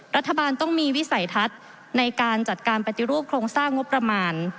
รัฐบาลต้องมีวิสัยทัศน์ในการจัดการปฏิรูปโครงสร้างงบประมาณ